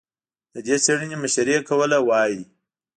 د دې څېړنې مشري یې کوله، وايي